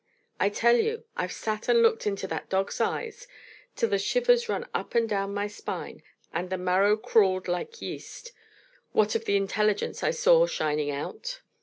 I tell you, I've sat and looked into that dog's eyes till the shivers ran up and down my spine and the marrow crawled like yeast, what of the intelligence I saw shining out.